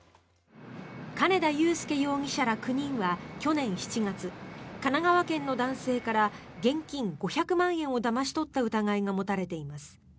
金田祐輔容疑者ら９人は去年７月神奈川県の男性から現金５００万円をだまし取った疑いが持たれています。